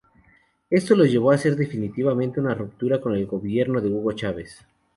Esto los llevo a hacer definitivamente una ruptura con el gobierno de Hugo Chávez.